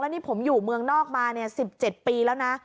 นี่ผมอยู่เมืองนอกมา๑๗ปีแล้วนะ